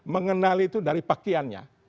mengenali itu dari paktiannya